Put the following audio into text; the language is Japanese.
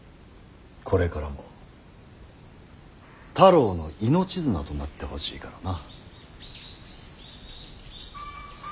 これからも太郎の命綱となってほしいからな。